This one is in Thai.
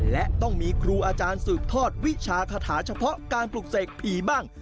และต้องมีครูอาจารย์สืบทอดวิชาคาถาเฉพาะการปลูกเสกผีบ้าง